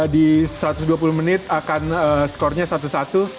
di satu ratus dua puluh menit akan skornya satu satu